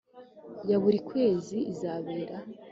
ya buri kwezi izabera